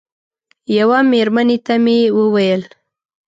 یوه مېرمنې ته مې وویل.